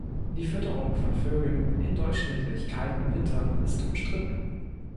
Die Fütterung von Vögeln in durchschnittlich kalten Wintern ist umstritten.